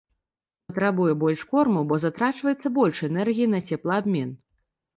Патрабуе больш корму, бо затрачваецца больш энергіі на цеплаабмен.